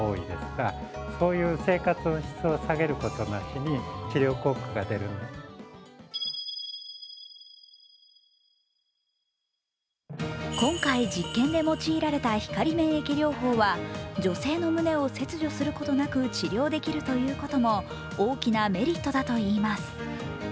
更に今回実験で用いられた光免疫療法は女性の胸を切除することなく治療できるということも大きなメリットだといいます。